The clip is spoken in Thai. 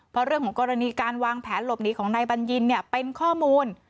เพราะเรื่องของกรณีการวางแผนหลบหนีของนายบัญญินเป็นข้อมูล